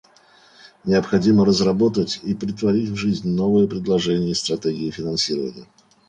Необходимо разработать и претворить в жизнь новые предложения и стратегии финансирования.